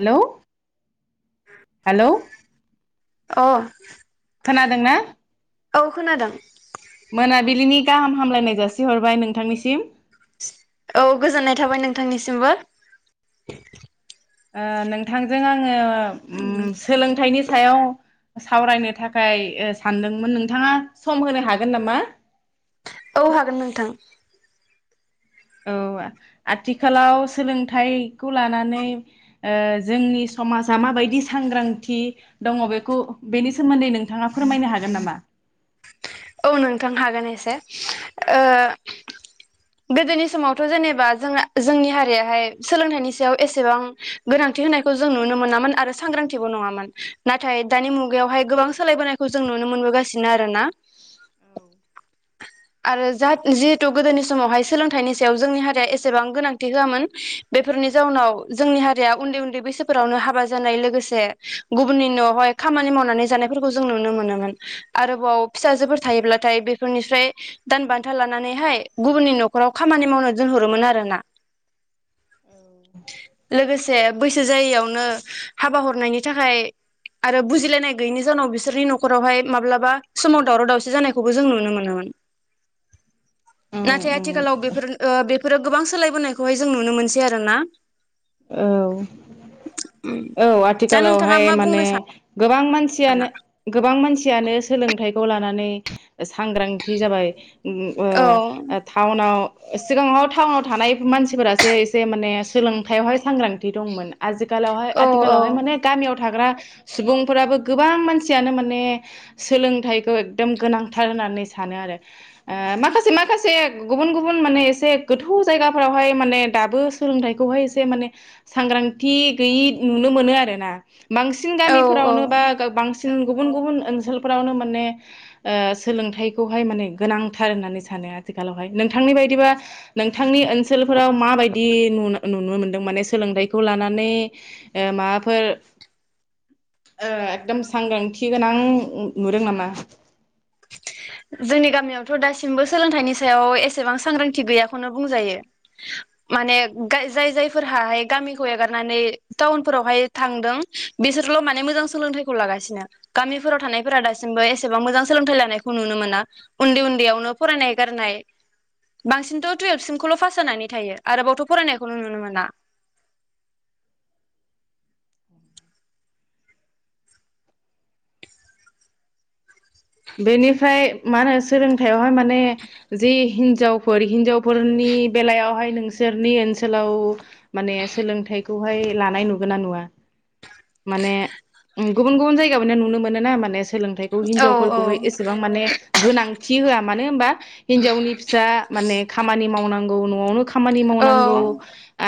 Hello. Hello. अ खोनादों ना? औ खोनादों, मोनाबिलिनि गाहाम हामलायनाय जासिहरबाय नोंथांनिसिम, औ गोजोननाय थाबाय नोंथांनिसिमबो, ओ नोंथांजों आङो ओ उम सोलोंथायनि सायाव सावरायनो थाखाय सानदोंमोन नोंथाङा सम होनो हागोन नामा? औ हागोन नोंथां, औ आथिखालाव सोलोंथाइखौ लानानै ओ जोंनि समाजा माबायदि सांग्रांथि दङ बेखौ बेनि सोमोन्दै नोंथाङा फोरमायनो हागोन नामा? औ नोंथां हागोन एसे ओ गोदोनि समावथ' जेनेबा जों जोंनि हारियाहाय सोलोंथाइनि सायाव एसेबां गोनांथि होनायखौ जों नुनो मोनामोन आरो सांग्रांथिबो नङामोन नाथाय दानि मुगायावहाय गोबां सोलायबोनायखौ जों नुनो मोनबोगासिनो आरो ना, आरो जा जिहेतु गोदोनि समावहाय सोलोंथाइनि सायाव जोंनि हारिया एसेबां गोनांथि होआमोन बेफोरनि जाउनाव जोंनि हारिया उन्दै उन्दै बैसोफोरावनो हाबा जानाय लोगोसे गुबुननि न'आवहाय खामानि मावनानै जानायफोरखौ जों नुनो मोनोमोन आरोबाव फिसाजोफोर थायोब्लाथाय बेफोरनिफ्राय दान बान्था लानानैहाय गुबुननि न'खराव खामानि मावनो दोनहरोमोन आरोना लोगोसे। बैसो जायियावनो हाबा हरनायनि थाखाय आरो बुजिलायनाय गैयैनि जाहनाव बिसोरनि न'खरावहाय माब्लाबा समाव दावराव दावसि जानायखौबो जों नुनो मोनोमोन औ नाथाय आथिखालाव बेफोर बेफोरो गोबां सोलायबोनायखौहाय जों नुनो मोनसै आरो ना। औ औ दा नोंथाङा आथिखालावहाय मा बुंनो माने गोबां मानसियानो सानो गोबां मानसि सियानो सोलोंथाइखौ लानानै सांग्रांथि जाबाय ओ औ टाउनाव सिगाङाव टाउनाव थानाय मानसिफोरासो एसे माने सोलों सांग्रांथि दंमोन आजिखालावहाय औ औ आथिखालावहाय माने गामियाव था थाग्रा सुबुंफोराबो गोबां मानसियानो माने सोलोंथाइखौ एकदम गोनांथार होननानै सानो आरो। माखासे माखासे गुबुन-गुबुन माने एसे गोथौ जायगाफोरावहाय माने दाबो सोलोंथाइखौहाय एसे माने सांग्रांथि गैयि नुनो मोनो आरोना बांसिन औ औ गामिफोरावनो बा बांसिन गुबुन गुबुन ओनसोलफोरावनो माने सोलोंथाइखौहाय माने गोनांथार होननानै सानो आथिखालावहाय नोंथांनि बायदिबा नोंथांनि ओनसोलफोराव माबायदि नुनो नुनो मोनो। माने सोलोंथाइखौ लानानै माबाफोर ओ एकदम सांग्रांथि गोनां नुदों नामा। जोंनि गामियावथ दासिमबो सोलोंथाइनि सायाव एसेबां सांग्रांथि गैयाखौनो बुंजायो माने जाय जायफोरहाहाय गामिखौ एगारनानै टाउनफोरावहाय थांदों बिसोरल माने मोजां सोलोंथाइखौ लागासिनो गामिफोराव थानायफोरा दासिमबो एसेबां मोजां सोलोंथाइ लानाय खौ नुनो मोना उन्दै उन्दैयावनो फरायनाय गारनाय बांसिनथ टुवेल्भ सिमखौल पास जानानै थायो आरोबावथ फरायनायखौ नुनो मोना बेनिफ्राय मा होनो सोलोंथाइयावहाय मा ने जि हिन जावफोर हिनजावफोरनि बेलायावहाय नोंसोरनि ओनसोलाव माने सोलोंथाइखौहाय लानाय नुगोन ना नुवा माने गुबुन गुबुन जायगायाव नुनो मोनो ना माने सोलोंथाइखौ औ हिनजाव फोरखौ एसेबां माने गोनांथि होआ मानो होबा हिनजावनि फिसा माने खामानि मावनां नंगौ नआवनो खामानि औ मावनांगौ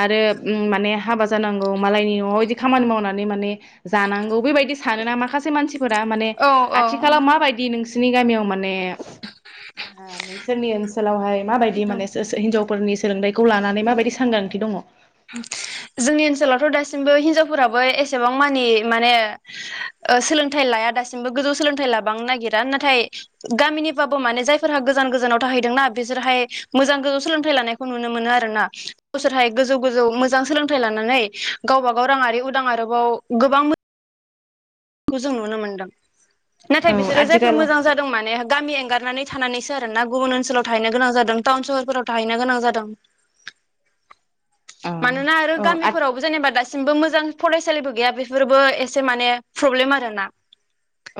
आरो। उम माने हाबा जानांगौ मालायनि न'आव इदि खामानि मावनानै माने जानांगौ बेबायदि सानोना माखासे सेमानसिफोरा माने औ औ औ आथिालाव मा नोंसिनि गामियाव माने हा नोंसोरनि ओनसोलावहाय माबायदि माने हिनजावफोरनि [unintelligible] खौ लानानै माबायदि सांग्रांथि दङ? जोंनि ओनसोलावथ दासिमबो हिनजावफोराबो एसेबां मानि माने सोलोंथाइ लाया दासिमबो गोजौ सोलोंथाइ लाबांनो नागिरा नाथाय गामिनिबाबो माने जायफोरहा गोजान गोजानाव थाहैदोंना बिसोरहाय मोजां गोजौ सोलोंथाइ लानायखौ नुनो मोनो आरोना गावसोरहाय गोजौ गोजौ मोजां सोलोंथाइ लानानै गावबाागाव राङारि उदां आरोबाव गोबां मो खौ जों नुनो मोनदों। नाथाय बिसोरो जायफोर आथिखाल मोजां जादों माने गामि एंगार [unintelligible] थानानैसो आरो ना गुबुन ओनसोलाव थाहैनो गोनां जादों टाउन सहरफोराव थाहैनो गोनां जादों औ मानोना आरो औ गामिफोरावबो जेनेबा दासि दसिमबो मोजां फरायसालिबो गैया बेफोरबो एसे माने प्रब्लेम आरो ना।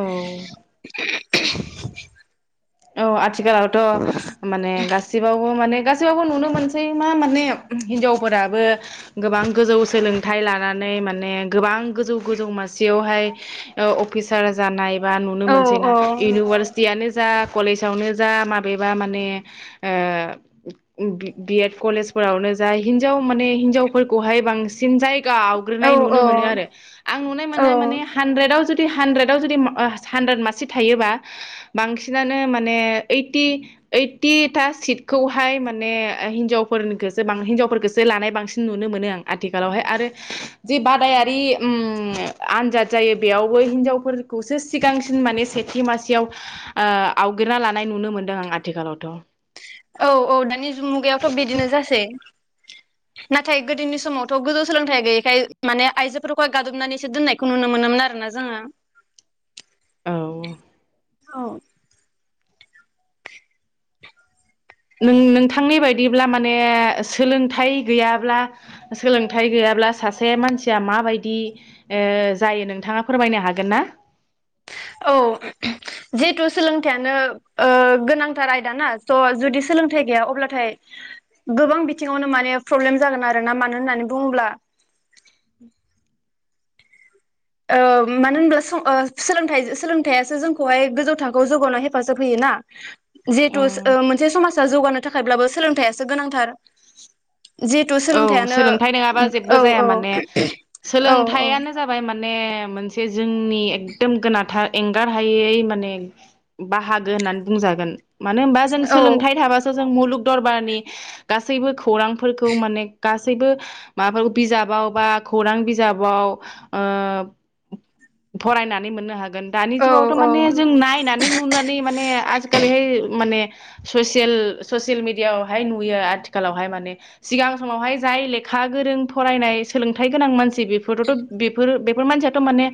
औ औ आथिखालावथ माने गासिबाव माने गासैयावबो नुनो मोनसै मा माने हिनजावफोराबो गोबां गोजौ सोलोंथाइ लानानै माने गोबां गोजौ गोजौ मासियावहाय ओ अफिसार जानाय [unintelligible] नुनो औ मोनोसैना इउनिभार्सिटि आनो जा कलेजावनो जा माबेबा माने ओ बि एड कलेजफोरावनो जा हिनजाव माने हिनजावफोरखौहाय बांसिन जाय औ गावग्रनाय नुनो मोनो आरो आं नुनाय औ मोननाय माने हानद्रेदआव जु जु हानद्रेदआव जुदि हानद्रेद मासि थायोब बांसिन [unintelligible] माने ओइटि ओइटिथा सिटखौहाय माने हिनजावफोखौसो हिनजावफोरखौसो लानाय बांसिन नुनो मोनो आं आथिखालावहाय आरो जि बादायारि ओ आनजाद जायो बेयावबो हिनजावफोरखौसो सिगांसिन माने सेथि मासेयाव ओ आवगिरना लानाय नुनो मोनदों आं आथिखालावथ औ औ दानि जुग मुगायावथ बिदिनो जासै। नाथाय गोदोनि समावथ गोजौ सोलोंथायाइ गैयैखाय माने आइजोफोरखौहाय गादबनानैसो दोननायखौ नुनो मोनोमोन आरोना जोङो। औ नों नोंथांनि बायदिब्ला माने सोलोंथाइ गैयाब्ला सोलोंथाइ गैयाब्ला सासे मानसिया माबायदि ओ जायो नोंथाङा फोरमायनो हागोन ना। औ जिहेथु सोलोंथाइयानो ओ गोनांथार आयदा ना स जुदि सोलोंथाइ गैया अब्लाथाय गोबां बिथिङावनो माने प्रब्लेम जागोन आरोना मानो होन्नानै बुङोब्ला ओ मानो होनब्ला सं ओ सोलोंथाइ सोलोंथाइआसो जोंखौहाय गोजौ थाखोआव जौगावनायाव हेफाजाब होयोना जिहेथु [unintelligible] औ मोन मोनसे समाजा जौगानो थाखायब्लाबो सोलोंथाइआसो गोनांथार जिहेथु औ सोलोंथाइयानो सोलोंथाइ नङाबा जेबो औ जाया औ माने औ सोलोंथाइानो जाबाय मान माने मोनसे जोंनि एकदम गोनांथार एंगार हायै माने बाहागो होन्नानै बुंजागोन। मानो होनबा जों औ सोलोंथाइ थाबासो। मुलुग दरबारनि गासैबो खौरां फोरखौ‌ माने गासैबो माबा बिजाबाव बा खौरां बिजाबाव ओ फरायनानै मोननो हागोन। दानि औ जुगावथ माने जों नायनानै नुनानै माने आजिखालिहाय माने ससेल ससेल मिडियाआवहाय नुयो आथिखालावहाय माने। सिगां समावहाय जाय लेखा गोरों फरायनाय सोलोंथाइ गोनां मानसि बेफोरथ बेफोर बे बेफोर मानसियाथ माने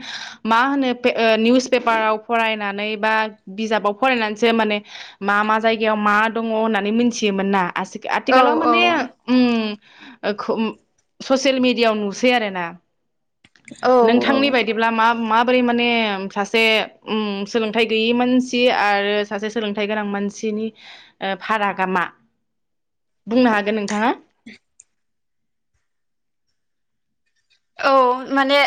मा होनो निउस पेपाराव फरायनानै बा बिजाबाव फरायनानैसो माने मा मा जायगायाव मा दङ होननानै मिथियोमोन ना। आसि आथिखालाव माने औ ओ खुम ससेल मिडियाआव नुसै आरो ना औ नोंथांनि बायदिब्ला मा माबोरै माने सासे सोलोंथाइ गैयि मानसि आरो सासे सोलोंथाइ गोनां मानसिनि फारागा मा बुंनो हागोन नोंथाङा? औ माने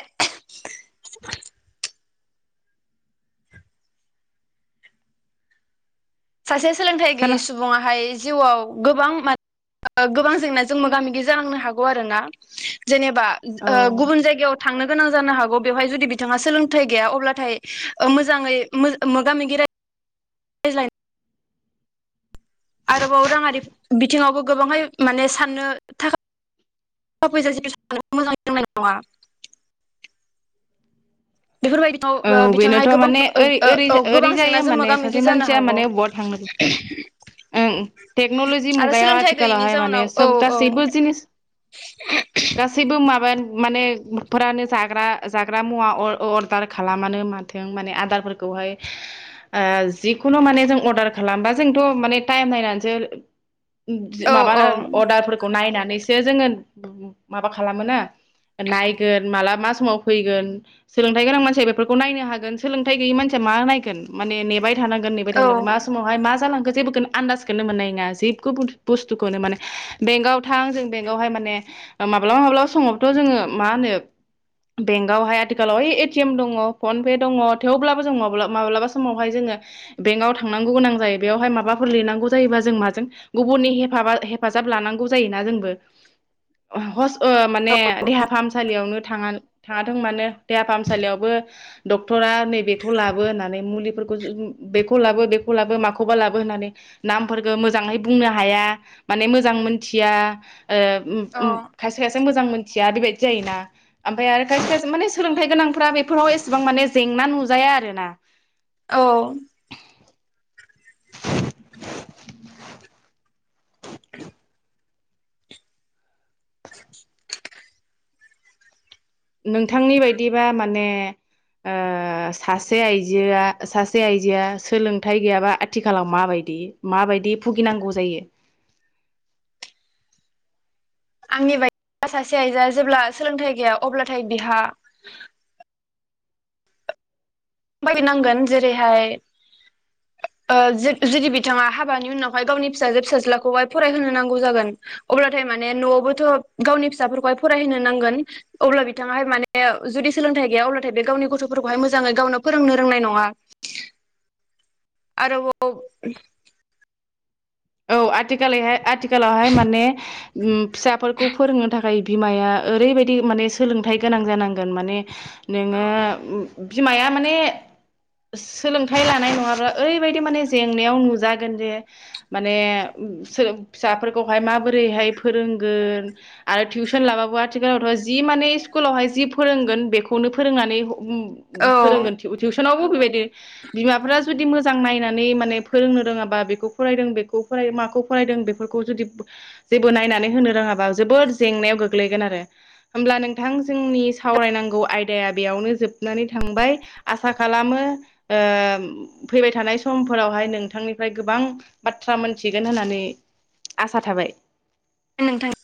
सासे सोलोंथाइ गैयै खोना सुबुंङाहाय जिउआव गोबां-गोबां जेंनाजों मोगा-मोगि जानांनो हागौ आरोना जेनेबा औ गुबुन जायगायाव बा थांनो गोनां जानो हागौ बेवहाय जुदि बिथाङा सोलोंथाइ गैया अब्लाथाय मोजाङै मोगा-मोगि राय ज्लायनो आरोबाव राङारि बिथिङावबो गोबांहाय माने साननो थाखा फैसा मोजां साननो रोंनाय नङा बेफोरबायदियाव औ ओ बिथांहाय बेनोथ गोबां माने ओ औ ओरै गोबां जायो जेंनाजों माने मोगा सासे मोगि जानो मानसिया हागौ माने बबा थांनो ओं टेक्नलजि आरो मुगायाव सोलोंथाइ गैयैनि आथिखालावहाय माने जाउनाव औ सोब गासैबो औ जिनिस गासैबो माबा। माने फोरानो जाग्रा-जाग्रा मुवा अ अरदार खालामानो माथों माने आदारफोरखौहाय जिखुनु माने जों अर्डार खालामबा जोंथ माने टाइम नायनानैसो। माबा औ अर्डारफोरखौ नायनानै नायनासो जोङों माबा खालामो ना नायगोन माला मा समाव फैगोन सोलोंथाय‌ गोनां मानसि बेफोरखौ नायनो हागोन सोलोंथाय गैैयै मानसिया मा नायगोन माने नेबाय थागोन नेमार थानांगोन नेबाय औ थानांगोन मा समावहाय मा जालांगोन जेबोखौनो आनदास मोननाय नङा जिखुनु बुसथुखौनो बेंखआव थां जों बेहाय माने माबबा-माबबा समावथबोथ जों मा होनो बेंखआवहाय आथिखालाव वै एटिएम दङ फन पे दङ थेवब्लाबो जों माब्लाबा समावहाय जोङो बेंकाव थांनांगौ गोनां जायो बेयावहाय माबाफोर लिरनांगौ जायोबा जों माजों गुबुननि हेफा हेफाजाब लानांगौ जायोना जोंबो माने देहा फाहामसालियावनो थाङा थाङाथों मानो देहाफाहाम फसालियावबो डक्टरा नैबेखौ लाबो होननानै मुलिफोरखौ बेखौ लाबो बेखौ लाबो माखौबा लाबो होननानै नामफोरखौ मोजाङै बुंनो हाया माने मोजां मोनथिया ओ औ उम-उम खायसे-खायसे मोजां मोजां बेबायदि जायोना ओमफाय आरो खायसे-खायसे माने सोलोंथाइ गोनां बेफोराव एसेबां माने जेंना नुजाया आरोना औ [inaudible] नोंथांनि बायदिबा माने ओ सासे आइजोआ सासे आइजोआ सोलोंथाइ गैयाबा आथिखालाव माबायदि माबायदि भुगिनांगौ जायो आंनि बायदि सासे आइजोआ जेब्ला सोलोंथाइ गैया अब्लाथाय बिहा बायनांगोन जेरैहाय ओ जुदि बिथाङा हाबानि उनावहाय गावनि फिसाजो फिसाज्लाखौहाय फरायहोनो नांगौ जागोन अब्लाथाय माने नआवबोथ गावनि फिसाफोरखौहाय फरायहोनो नांगोन अब्ला बिथाङाहाय माने जुदि सोलोंथाइ गैया अब्लाथाय बे गावनि गथफोरखौहाय मोजाङै गावनो फोरोंनो रोंनाय नङा आरो [unintelligible] औ आथिखालहाय आथि आथिखालावहाय माने उम फिसाफोरखौ फोरोंनो थाखाय बिमाया ओरैबायदि माने सोलोंथाइ गोनां जानांगोन माने औ नोङो बिमाया माने सोलोंथाइ लानाय नङाब्ला ओरैबायदि माने जेंनायाव नुजागोन जे माने माने फिसाफोरखौहाय माबोरैहाय फोरोंगोन आरो टिउसन लाबाबो आथिखालावथ जि माने स्कुलावहाय जि फोरोंगोन बेखौनो फोरोंनानै ह उम औ फोरोंगोन टिउ टिउसन [unintelligible] बेबायदि बिमाफ्रा जुदि मोजां नायनानै माने फोरोंनो रोङाबा बेखौ फरायदों बेखौ [unintelligible] माखौ फरायदों बेफोरखौ जुदि जेबो नायनानै होनो रोङाबा जोबोद जेंनायाव गोग्लैगोन आरो होमब्ला नोंथां जोंनि सावरायनांगौ आयदाया बेयावनो जोबनानै थांबाय आसा खालामो ओ फैबाय थानाय समफोरावहाय नोंथांनिफ्राय गोबां ब थ्रा मोनथिगोन होन्नानै आसा थाबाय। नोंथां